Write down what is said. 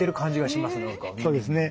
そうですね。